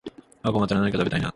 ああ困ったなあ、何か食べたいなあ